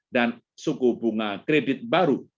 dan suku bunga kredit baru